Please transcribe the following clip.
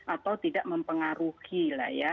atau tidak mempengaruhilah ya